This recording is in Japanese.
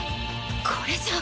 これじゃあ。